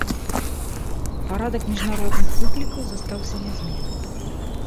Парадак міжнародных выклікаў застаўся нязменным.